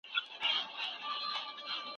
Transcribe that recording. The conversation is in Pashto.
هغه د اصفهان د محاصرې لپاره منظم پلان درلود.